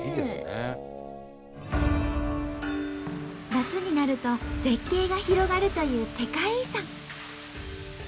夏になると絶景が広がるという世界遺産。